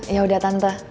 ya udah tante